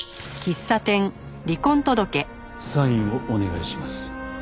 サインをお願いします。